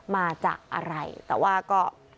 มาจากอะไรแต่ว่าก็